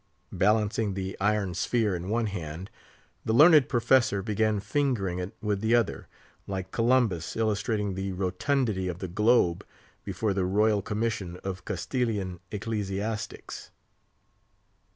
Balancing the iron sphere in one hand, the learned professor began fingering it with the other, like Columbus illustrating the rotundity of the globe before the Royal Commission of Castilian Ecclesiastics.